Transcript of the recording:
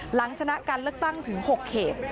หลังชนะการเลือกตั้งถึง๖เขต